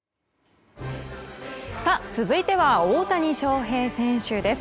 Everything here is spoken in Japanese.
続いて大谷翔平選手です。